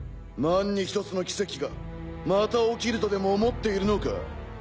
万に一つの奇跡がまた起きるとでも思っているのか？